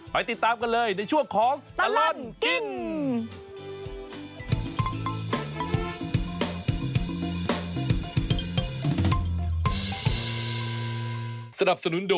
ติดตามกันเลยในช่วงของตลอดกิน